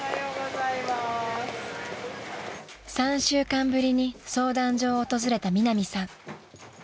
［３週間ぶりに相談所を訪れたミナミさん］